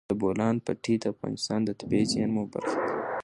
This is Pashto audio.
د بولان پټي د افغانستان د طبیعي زیرمو برخه ده.